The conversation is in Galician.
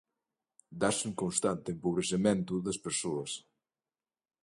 Dáse un constante empobrecemento das persoas.